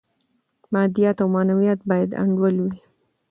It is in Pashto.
مادیات او معنویات باید انډول وي.